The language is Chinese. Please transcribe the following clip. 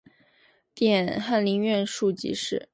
点翰林院庶吉士。